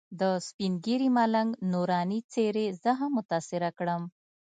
د سپین ږیري ملنګ نوراني څېرې زه هم متاثره کړم.